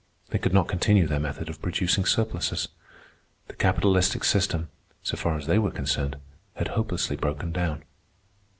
They could not continue their method of producing surpluses. The capitalistic system, so far as they were concerned, had hopelessly broken down.